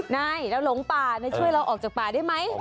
นายเราหลงป่าช่วยเราออกจากป่าได้ไหม